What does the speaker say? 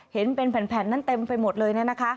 เห็นเป็นแผ่นนั่นเต็มไปหมดเลย